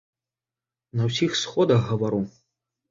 На ўсіх сходах гавару.